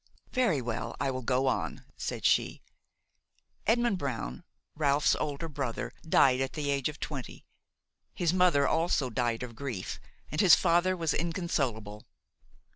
"Very well, I will go on," said she. "Edmond Brown, Ralph's older brother, died at the age of twenty; his mother also died of grief, and his father was inconsolable.